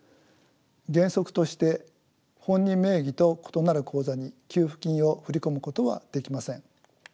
原則として本人名義と異なる口座に給付金を振り込むことはできません。